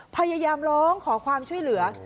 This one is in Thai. พยายามร้องขอความช่วยเหลือ